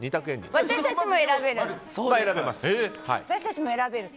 私たちも選べる？